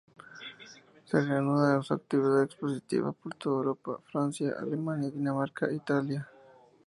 Se reanuda su actividad expositiva por toda Europa: Francia, Alemania, Dinamarca, Italia.